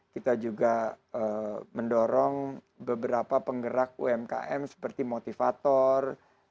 kita juga mendorong beberapa penggerak umkm seperti motivator